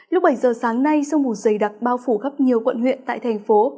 lúc bảy giờ sáng nay sương mù dày đặc bao phủ gấp nhiều quận huyện tại thành phố